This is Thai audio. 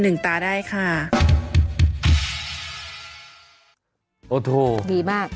อยู่นี่หุ่นใดมาเพียบเลย